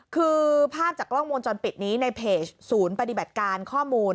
คือภาพจากกล้องวงจรปิดนี้ในเพจศูนย์ปฏิบัติการข้อมูล